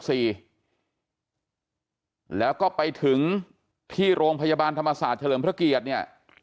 แล้วก็ไปถึงที่โรงพยาบาลธรรมศาสตร์เฉลิมพระเกียรติเนี่ย